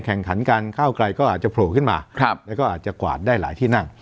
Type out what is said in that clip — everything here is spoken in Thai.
แข่งขันการก้าวไกลก็อาจจะโผล่ขึ้นมาแล้วก็อาจจะกวาดได้หลายที่นั่ง